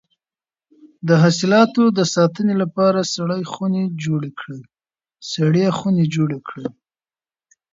د حاصلاتو د ساتنې لپاره سړې خونې جوړې کړئ.